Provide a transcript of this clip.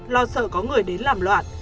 lo sợ có người đến làm loạn